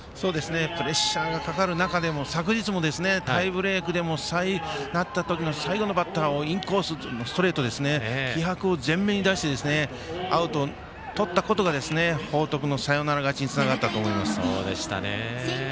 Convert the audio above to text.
プレッシャーかかる中でも昨日もタイブレークになった時にも最後のバッターをインコース、ストレート気迫を前面に出してアウトをとったことが報徳のサヨナラ勝ちにつながったと思います。